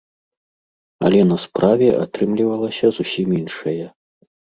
Але на справе атрымлівалася зусім іншае.